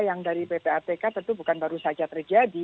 yang dari ppatk tentu bukan baru saja terjadi